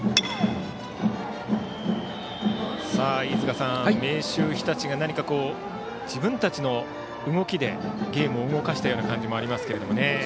飯塚さん、明秀日立が何かこう自分たちの動きでゲームを動かした感じもありますけれどもね。